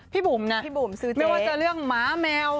พี่บุ๋มนะไม่ว่าจะเรื่องหมาแมว